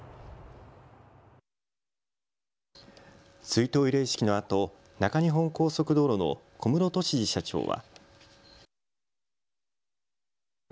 追悼慰霊式のあと中日本高速道路の小室俊二社長は。